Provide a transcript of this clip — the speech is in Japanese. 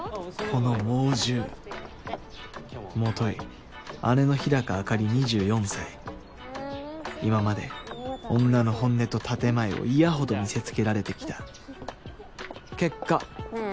この猛獣もとい姉の日高朱莉２４歳今まで女の本音と建前を嫌ほど見せつけられてきた結果ねぇ